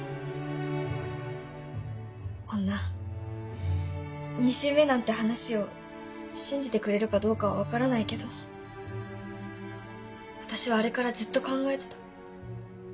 こんな２周目なんて話を信じてくれるかどうかは分からないけど私はあれからずっと考えてた。